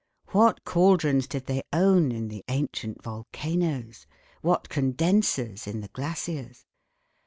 What caldrons did they own in the ancient volcanoes! What condensers in the glaciers!